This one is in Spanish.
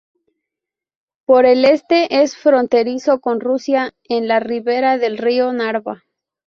Por el este es fronterizo con Rusia en la ribera del río Narva.